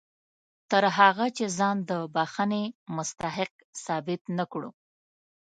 تر هغه چې ځان د بښنې مستحق ثابت نه کړو.